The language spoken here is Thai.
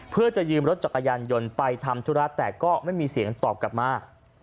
เพื่อจะยืมรถจักรยานยนต์ไปทำธุระแต่ก็ไม่มีเสียงตอบกลับมา